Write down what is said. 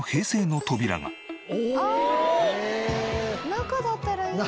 中だったらいいんだ。